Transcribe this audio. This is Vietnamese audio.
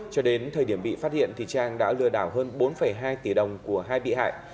cho đến thời điểm bị phát hiện trang đã lừa đảo hơn bốn hai tỷ đồng của hai bị hại